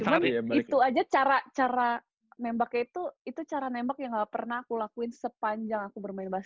cuman itu aja cara cara nembaknya itu itu cara nembak yang nggak pernah kulakuin sepanjang aku bermain yo